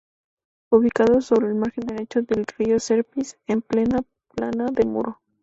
Ubicado sobre el margen derecho del río Serpis, en plena plana de Muro.